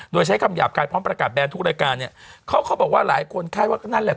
โดยใช้คำยาบกลายพร้อมประกาศแบรนดร์ทุกรายการเค้าบอกว่าหลายคนแข้ว่านั่นนั่นแหละ